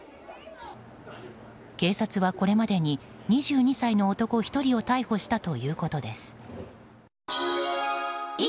警察はこれまでに２２歳の男１人を逮捕したということです。